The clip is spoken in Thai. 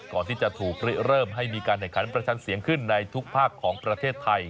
ก่อนที่จะถูกริเริ่มให้มีการแข่งขันประชันเสียงขึ้นในทุกภาคของประเทศไทย